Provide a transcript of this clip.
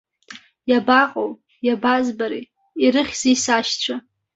Иабаҟоу, иабазбари, ирыхьзеи сашьцәа?